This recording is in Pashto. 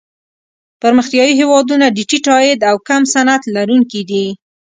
پرمختیايي هېوادونه د ټیټ عاید او کم صنعت لرونکي دي.